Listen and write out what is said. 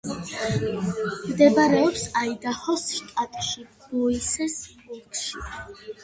მდებარეობს აიდაჰოს შტატში, ბოისეს ოლქში.